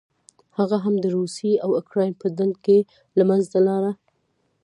هغه هم د روسیې او اوکراین په ډنډ کې له منځه لاړه.